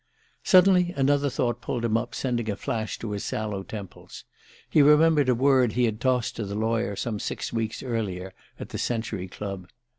Suddenly another thought pulled him up, sending a flush to his sallow temples. He remembered a word he had tossed to the lawyer some six weeks earlier, at the Century Club.